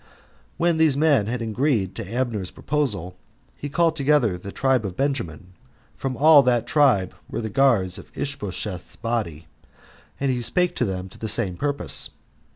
When these men had agreed to Abner's proposal, he called together the tribe of Benjamin, for all of that tribe were the guards of Ishbosheth's body, and he spake to them to the same purpose.